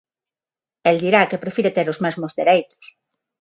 El dirá que prefire ter os mesmos dereitos.